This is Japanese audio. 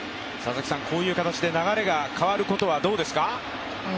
こういう形で流れが変わることはどうですか？